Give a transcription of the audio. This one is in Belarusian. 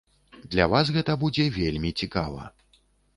Для вас гэта будзе вельмі цікава.